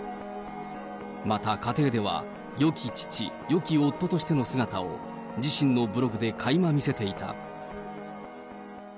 また、家庭ではよき父、よき夫としての姿を、自身のブログでかいま見せていた。